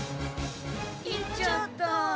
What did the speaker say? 行っちゃった。